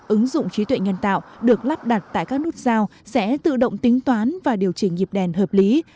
ứng dụng trí tuệ nhân tạo được lắp đặt tại các nút giao sẽ tự động tính toán và điều chỉnh nhịp đèn hợp lý